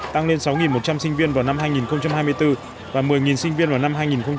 tăng lên sáu một trăm linh sinh viên vào năm hai nghìn hai mươi bốn và một mươi sinh viên vào năm hai nghìn hai mươi